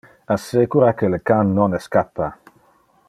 Assecura que le can non escappa.